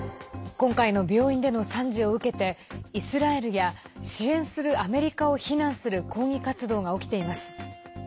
今回の病院での惨事を受けてイスラエルや支援するアメリカを非難する抗議活動が起きています。